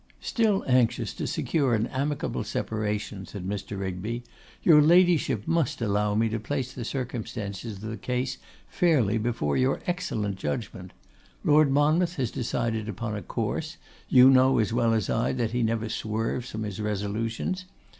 'Still anxious to secure an amicable separation,' said Mr. Rigby, 'your Ladyship must allow me to place the circumstances of the case fairly before your excellent judgment. Lord Monmouth has decided upon a course: you know as well as I that he never swerves from his resolutions.